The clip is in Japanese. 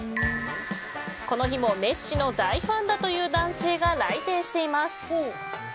この日もメッシの大ファンだという男性が来店しています。